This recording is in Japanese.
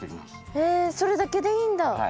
へそれだけでいいんだ！